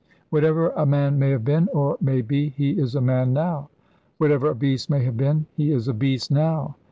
Whatever a man may have been, or may be, he is a man now; whatever a beast may have been, he is a beast now.